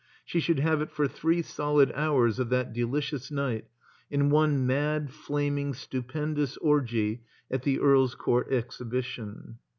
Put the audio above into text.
She should have it for three solid hours of that delicious night, in one mad, flaming, stupendous orgy at the Earl's Court Exhibition.